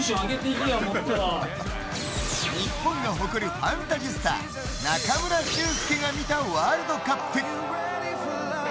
日本が誇るファンタジスタ中村俊輔が見たワールドカップ。